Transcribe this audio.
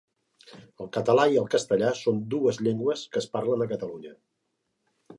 El català i el castellà són dues llengües que es parlen a Catalunya.